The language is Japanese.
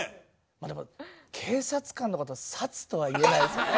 でも警察官の方「サツ」とは言えないですよね。